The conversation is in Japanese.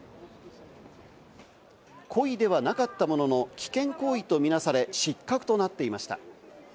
故意ではなかったものの、危険行為とみなされ、失格となっていました。